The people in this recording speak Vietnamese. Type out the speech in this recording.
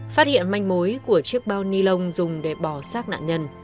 phát hiện manh mối của chiếc bao ni lông dùng để bỏ sát nạn nhân